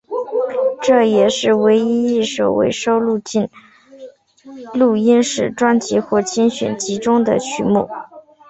这也是唯一一首未收录进录音室专辑或精选集中的曲目。